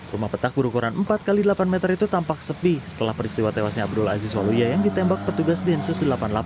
rumah petak berukuran empat x delapan meter itu tampak sepi setelah peristiwa tewasnya abdul aziz waluya yang ditembak petugas densus delapan puluh delapan